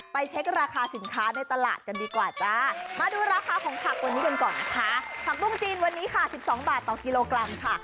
วันนี้กันก่อนค่ะผักปุ้งจีนวันนี้ค่ะสิบสองบาทต่อกิโลกรัมค่ะ